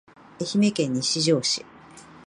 愛媛県西条市